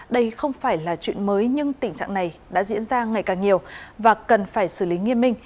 đây không phải là chuyện mới nhưng tình trạng này đã diễn ra ngày càng nhiều và cần phải xử lý nghiêm minh